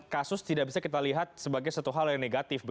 kasus tidak bisa kita lihat sebagai satu hal yang negatif